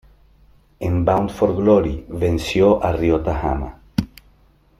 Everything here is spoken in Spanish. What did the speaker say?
En Bound for Glory, venció a Ryota Hama.